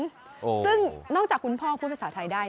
ซึ่งนอกจากคุณพ่อพูดภาษาไทยได้